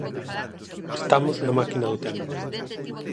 Estamos na máquina do tempo.